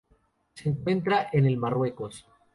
Se encuentra en el Marruecos.